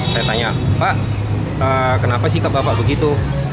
saya tanya pak kenapa sikap bapak begitu